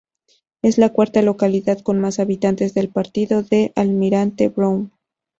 Es la cuarta localidad con más habitantes del partido de Almirante Brown.